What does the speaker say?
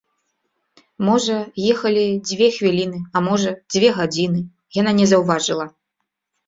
Можа, ехалі дзве хвіліны, а можа, дзве гадзіны, яна не заўважыла.